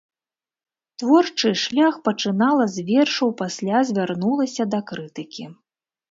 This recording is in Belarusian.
Творчы шлях пачынала з вершаў, пасля звярнулася да крытыкі.